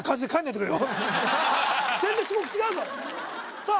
全然種目違うからさあ